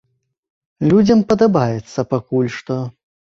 Людзям падабаецца пакуль што.